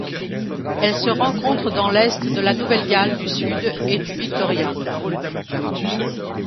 Elle se rencontre dans l'Est de la Nouvelle-Galles du Sud et du Victoria.